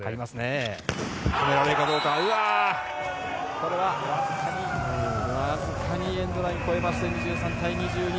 これはわずかにエンドラインを越えまして２３対２２。